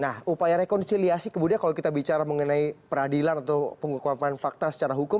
nah upaya rekonsiliasi kemudian kalau kita bicara mengenai peradilan atau pengukuman fakta secara hukum